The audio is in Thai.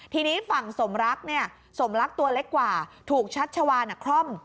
ทีนี้ฝั่งสมรักเนี่ยสมรักตัวเล็กกว่าถูกชัชวานคล่อม